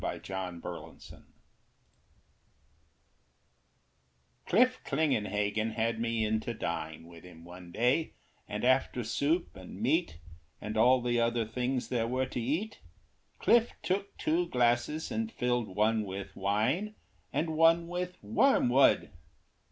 Cliff Klingenhagen Cliff Klingenhagen had me in to dine With him one day; and after soup and meat, And all the other things there were to eat, Cliff took two glasses and filled one with wine And one with wormwood.